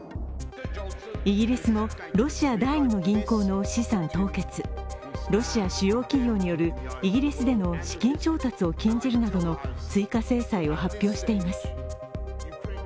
イギリスもロシア第２の銀行の資産凍結、ロシア主要企業によるイギリスでの資金調達を禁じるなどの追加制裁を発表しています。